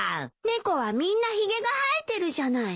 猫はみんなひげが生えてるじゃない。